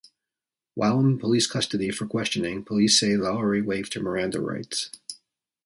While in police custody for questioning, police say Lowery waived her Miranda rights.